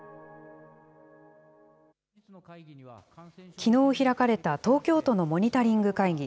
きのう、開かれた東京都のモニタリング会議。